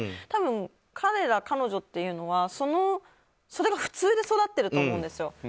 多分、彼ら彼女っていうのはそれが普通で育っていると思うんですよ。